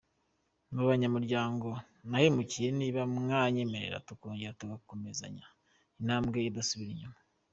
mu banyamuryango nahemukiye niba mwanyemerera tukongera tugakomezanya Intambwe idasubira inyuma.